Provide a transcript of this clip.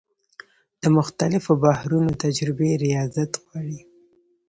د مختلفو بحرونو تجربې ریاضت غواړي.